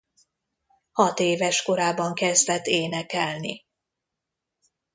Hat éves korában kezdett énekelni.